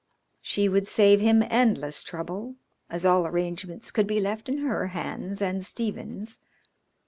She would save him endless trouble, as all arrangements could be left in her hands and Stephens'.